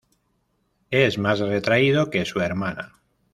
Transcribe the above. Es más retraído que su hermana.